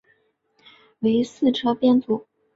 为四车编组。